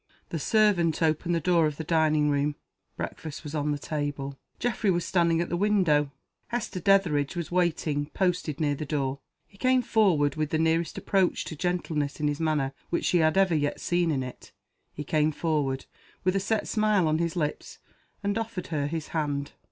The servant opened the door of the dining room. Breakfast was on the table. Geoffrey was standing at the window. Hester Dethridge was waiting, posted near the door. He came forward with the nearest approach to gentleness in his manner which she had ever yet seen in it he came forward, with a set smile on his lips, and offered her his hand!